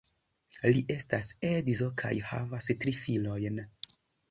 Li estas edzo kaj havas tri filojn.